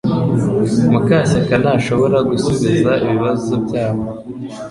Mukashyaka ntashobora gusubiza ibibazo byabo